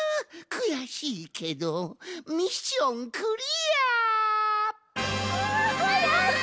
くやしいけどミッションクリア！わやった！